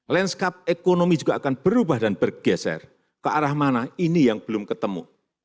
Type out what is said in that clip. landscape ekonomi juga akan berubah dan bergeser ke arah mana ini yang belum ketemu